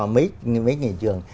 mấy nghề trường